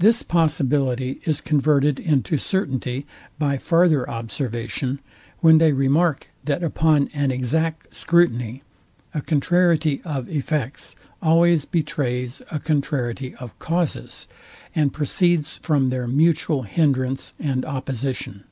This possibility is converted into certainty by farther observation, when they remark, that upon an exact scrutiny, a contrariety of effects always betrays a contrariety of causes, and proceeds from their mutual hindrance and opposition.